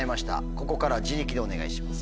ここからは自力でお願いします。